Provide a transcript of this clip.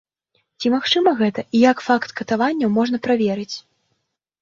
Ці магчыма гэта і як факт катаванняў можна праверыць?